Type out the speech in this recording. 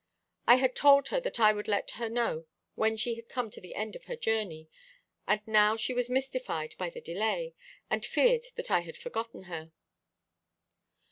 I had told her that I would let her know when she had come to the end of her journey, and now she was mystified by the delay, and feared that I had forgotten her.